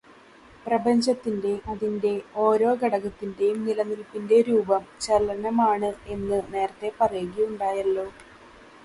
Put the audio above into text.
പ്രപഞ്ചത്തിന്റെ, അതിന്റെ ഓരോ ഘടകത്തിന്റെയും നിലനിൽപ്പിന്റെ രൂപം ചലനമാണ് എന്ന് നേരത്തേ പറയുകയുണ്ടായല്ലോ.